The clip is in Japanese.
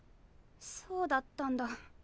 そうだったんだ。